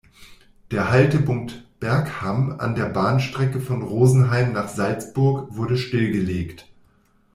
Der Haltepunkt Bergham an der Bahnstrecke von Rosenheim nach Salzburg wurde stillgelegt.